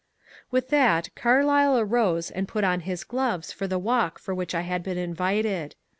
" With that Carlyle arose and put on his gloves for the walk for which I had been invited.